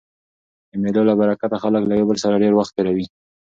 د مېلو له برکته خلک له یو بل سره ډېر وخت تېروي.